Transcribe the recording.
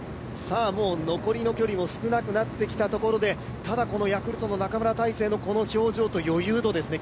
残りの距離も少なくなってきたところで、ただ、ヤクルトの中村大聖のこの表情と余裕度ですね。